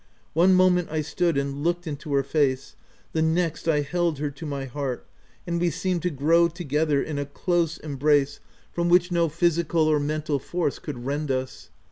One moment I stood and looked into her face, the next I held her to my heart, and we seemed to grow together in a close embrace from which OF WILDFELL HALL. 155 no physical or mental force could rend us.